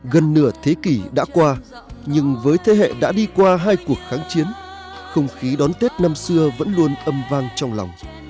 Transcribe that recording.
gần nửa thế kỷ đã qua nhưng với thế hệ đã đi qua hai cuộc kháng chiến không khí đón tết năm xưa vẫn luôn âm vang trong lòng